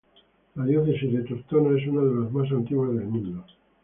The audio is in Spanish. La diócesis de Tortona es una de la más antiguas del mundo.